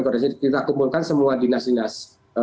koordinasi kita kumpulkan semua dinas dinas